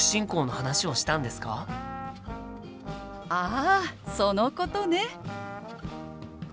あそのことね！